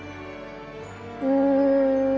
うん。